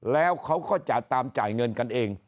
แล้วเขาก็จะตามจ่ายเงินกันเอง